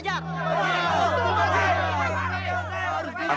tidak ada apa pak